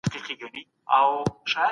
نړیوال سازمانونه د کډوالو سره مرسته کوي.